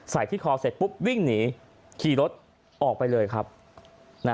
ที่คอเสร็จปุ๊บวิ่งหนีขี่รถออกไปเลยครับนะ